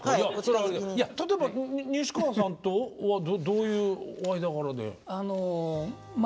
例えば西川さんとはどういう間柄で？